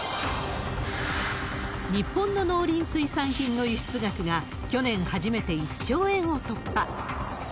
日本の農林水産品の輸出額が、去年初めて１兆円を突破。